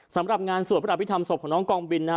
สำหรับงานส่วนประหลาดพิธรรมศพของน้องกองบิลนะ